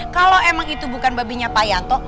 kalau emang itu bukan babinya pak yanto